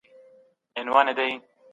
طبیعي نړۍ له رازونو ډکه ده.